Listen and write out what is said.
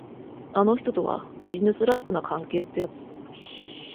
あの人とは、ビジネスライクな関係ってやつ。